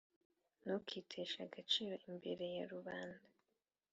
ntukiteshe agaciro imbere ya rubanda